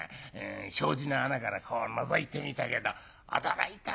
障子の穴からこうのぞいてみたけど驚いたねぇおい。